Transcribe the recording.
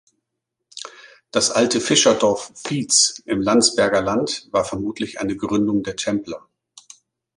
Das alte Fischerdorf Vietz im Landsberger Land war vermutlich eine Gründung der Templer.